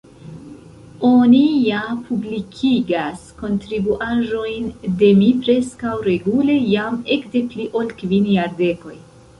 Oni ja publikigas kontribuaĵojn de mi preskaŭ regule jam ekde pli ol kvin jardekoj.